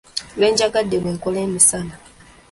Lwenjagadde lwenkola emisana.